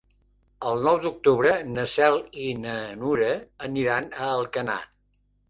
El nou d'octubre na Cel i na Nura aniran a Alcanar.